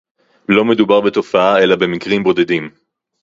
לא מדובר בתופעה אלא במקרים בודדים